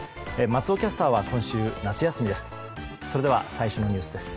松尾キャスターは今週、夏休みです。